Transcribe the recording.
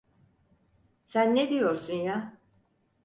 Sen ne diyorsun ya?